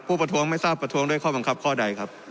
ประท้วงไม่ทราบประท้วงด้วยข้อบังคับข้อใดครับ